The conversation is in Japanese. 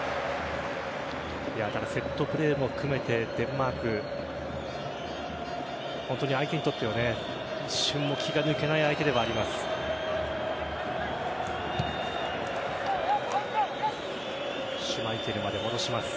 ただ、セットプレーも含めてデンマーク相手にとっては一瞬も気が抜けない相手ではあります。